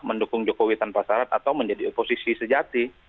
mendukung jokowi tanpa syarat atau menjadi oposisi sejati